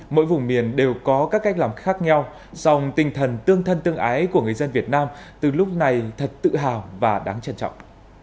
mỗi vùng miền đều có các cách làm khác nhau song tinh thần tương thân tương ái của người dân việt nam từ lúc này thật tự hào và đáng trân trọng